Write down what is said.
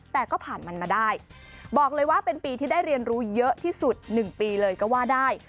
แต่ก็ผ่านมันมาได้บอกเลยว่าเป็นปีที่ได้เรียนรู้เยอะที่สุด๑ปีเลยก็ว่าได้